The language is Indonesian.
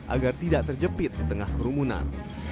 agar tidak terjepit di tengah kerumunan